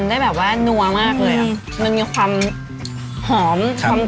ค่ะแล้วใส่อะไรคะใส่ใจพนันมันต้อง